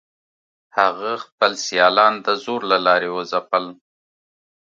هغه خپل سیالان د زور له لارې وځپل.